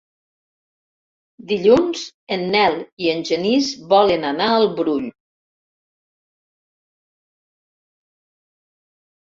Dilluns en Nel i en Genís volen anar al Brull.